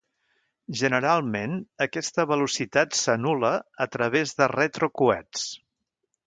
Generalment aquesta velocitat s'anul·la a través de retrocoets.